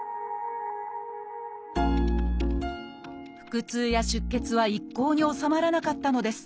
腹痛や出血は一向に治まらなかったのです。